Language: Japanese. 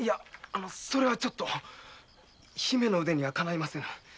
それはちょっと姫の腕には敵いませぬ。